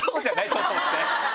外って。